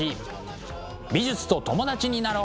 美術と友達になろう！